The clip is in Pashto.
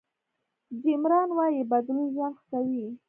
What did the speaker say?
جیم ران وایي بدلون ژوند ښه کوي.